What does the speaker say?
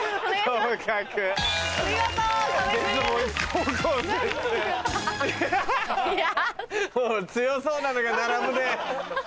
もう強そうなのが並ぶね。